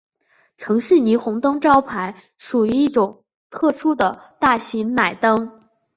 城市霓虹灯招牌属于一种特殊的大型氖灯。